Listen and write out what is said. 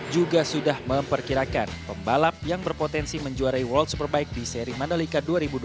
juga sudah memperkirakan pembalap yang berpotensi menjuarai world superbike di seri mandalika dua ribu dua puluh